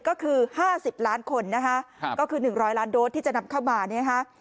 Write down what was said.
ก็คือห้าสิบล้านคนนะฮะก็คือหนึ่งร้อยล้านโดสที่จะนำเข้ามาเนี่ยฮะ